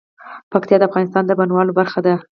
پکتیکا د افغانستان د بڼوالۍ برخه ده.